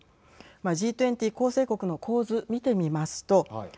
Ｇ２０構成国の構図見てみますとはい。